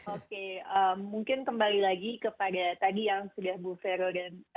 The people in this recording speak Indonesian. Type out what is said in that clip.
oke mungkin kembali lagi kepada tadi yang sudah bu vero dan